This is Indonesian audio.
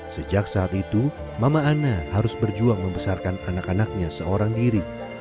sejak saat itu mama ana harus berjuang membesarkan anak anaknya seorang diri